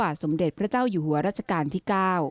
สการพระบาทสมเด็จพระเจ้าอยู่หัวรัชกาลที่๙